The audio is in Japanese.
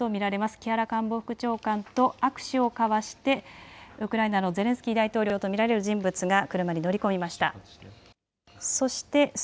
木原官房副長官と握手を交わしてウクライナのゼレンスキー大統領と見られる人物が車に乗り込みました。